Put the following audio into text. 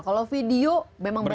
kalau video memang banyak